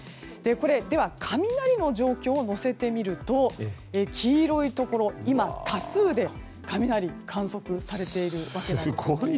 では、雷の状況を載せてみると黄色いところ、多数で雷が観測されているんです。